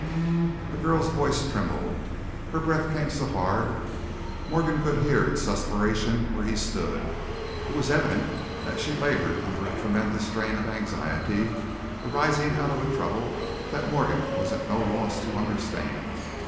The girl's voice trembled, her breath came so hard Morgan could hear its suspiration where he stood. It was evident that she labored under a tremendous strain of anxiety, arising out of a trouble that Morgan was at no loss to understand.